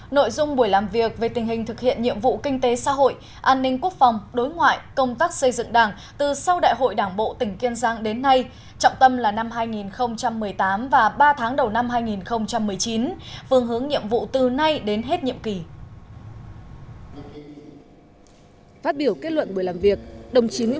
nội dung buổi làm việc về tình hình thực hiện nhiệm vụ kinh tế xã hội an ninh quốc phòng đối ngoại công tác xây dựng đảng từ sau đại hội đảng bộ tỉnh kiên giang đến nay trọng tâm là năm hai nghìn một mươi tám và ba tháng đầu năm hai nghìn một mươi chín phương hướng nhiệm vụ từ nay đến hết nhiệm kỳ